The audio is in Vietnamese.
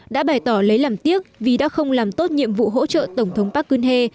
đã bày tỏ lấy làm tiếc vì đã không làm tốt nhiệm vụ hỗ trợ tổng thống park kune